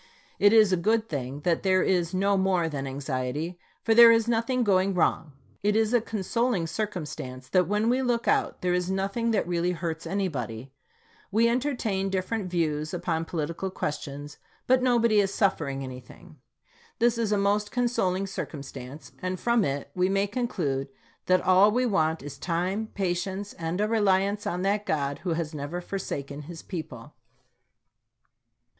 It is a good thing that there is no more than anxiety, for there is nothing going wrong. It is a consoling circumstance that when we look out, there is nothing that really hurts anybody. We entertain different views upon political questions, but nobody is suffering anything. This is a most consoling circum stance, and from it we may conclude that all we want is time, patience, and a reliance on that God who has never forsaken this people.